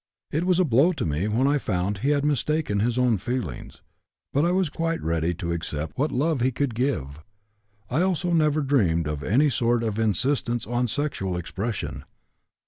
It was a blow to me when I found he had mistaken his own feelings, but I was quite ready to accept what love he could give. I also never dreamed of any sort of insistence on sexual expression.